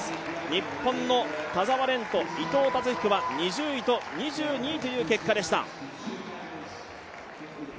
日本の田澤廉と伊藤達彦は２０位と２２位という結果でした。